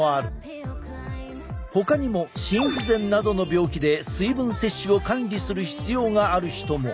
ほかにも心不全などの病気で水分摂取を管理する必要がある人も。